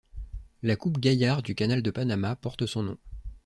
La coupe Gaillard du canal de Panama porte son nom.